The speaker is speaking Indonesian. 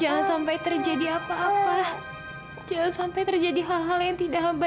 kenapa edo sampai begini indi